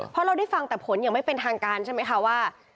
เพราะเราได้ฟังแต่ผลอย่างไม่เป็นทางการใช่ไหมคะว่า